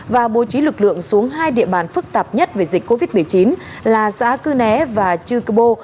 và bố trí lực lượng xuống hai địa bàn phức tạp nhất về dịch covid một mươi chín là xã cư né và chư cơ bô